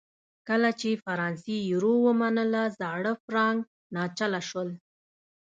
کله چې فرانسې یورو ومنله زاړه فرانک ناچله شول.